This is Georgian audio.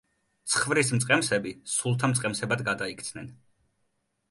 ცხვრის მწყემსები სულთა მწყემსებად გადაიქცნენ.